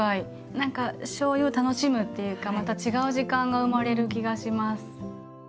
何かしょうゆを楽しむっていうかまた違う時間が生まれる気がします。